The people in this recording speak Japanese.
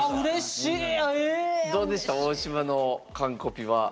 えうれしい。